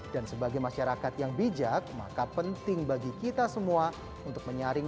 dan sebagai masyarakat yang bijak maka penting bagi kita semua untuk menyaring